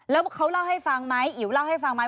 แล้วเขาเล่าให้ฟังไหมอิ๋วเล่าให้ฟังไหม